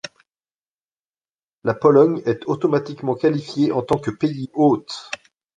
La Pologne est automatiquement qualifiée en tant que pays hôte.